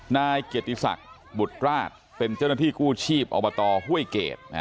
นายเกียรติศักดิ์บุตรราชเป็นเจ้าหน้าที่กู้ชีพอบตห้วยเกรด